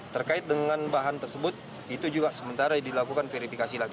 terkait dengan bahan tersebut itu juga sementara dilakukan verifikasi lagi